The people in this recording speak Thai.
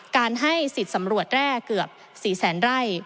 การให้สิทธิ์สำรวจแร่เกือบ๔แสนไร่